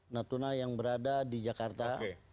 natuna yang berada di jakarta